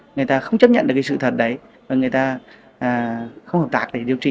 người ta không chấp nhận được cái sự thật đấy và người ta không hợp tác để điều trị